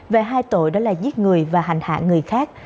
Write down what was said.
về hai tội đó là giết người và hành hạ người khác